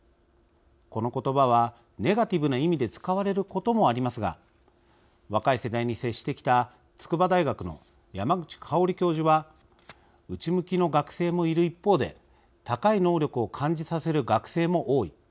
このことばはネガティブな意味で使われることもありますが若い世代に接してきた筑波大学の山口香教授は「内向きの学生もいる一方で高い能力を感じさせる学生も多い。